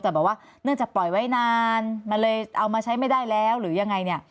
แต่แบบว่าเนื่องจากปล่อยไว้นานมันเลยเอามาใช้ไม่ได้แล้วหรือยังไงเนี่ย